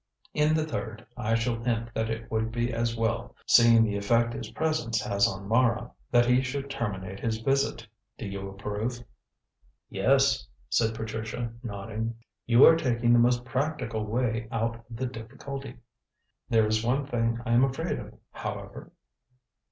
In the third, I shall hint that it would be as well, seeing the effect his presence has on Mara, that he should terminate his visit. Do you approve?" "Yes," said Patricia, nodding. "You are taking the most practical way out of the difficulty. There is one thing I am afraid of, however?"